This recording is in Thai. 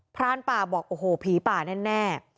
รานป่าบอกโอ้โหผีป่าแน่